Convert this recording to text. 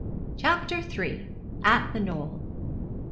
CHAPTER III. AT THE KNOLL.